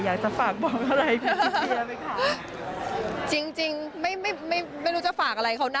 อยากจะฝากบางอะไรอีกทีเฉยล่ะไหมค่ะ